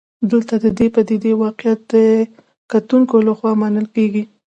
دلته د پدیدې واقعیت د کتونکو لخوا منل کېږي.